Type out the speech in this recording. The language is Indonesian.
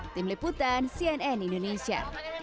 tim liputan cnn indonesia